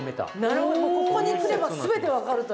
なるほどここに来れば全て分かるという。